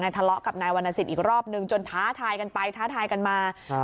เนี้ยทะเลาะกับนายวรรณสินอีกรอบหนึ่งจนท้าทายกันไปท้าทายกันมาอ่า